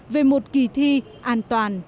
về một kỳ thi an toàn